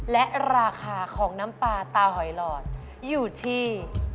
และราคาของน้ำปลาตาหอยหลอดอยู่ที่